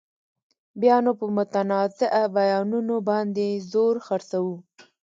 بیا نو په متنازعه بیانونو باندې زور خرڅوو.